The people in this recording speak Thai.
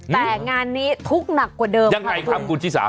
แต่งานนี้ทุกข์หนักกว่าเดิมยังไงครับคุณชิสา